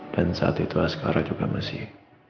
dan saat itu askara juga masih